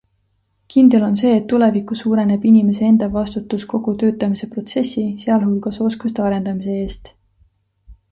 Kindel on see, et tulevikus suureneb inimese enda vastutus kogu töötamise protsessi, sealhulgas oskuste arendamise eest.